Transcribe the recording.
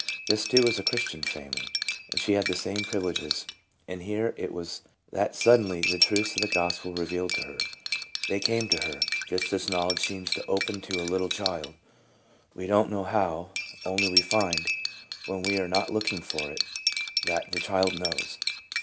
This too was a Christian family, and she had the same privileges, and here it was that suddenly the truths of the gospel were revealed to her. They came to her, just as knowledge seems to open to a little child, we do n't know how, only we find, when we are not looking for it, that the child knows.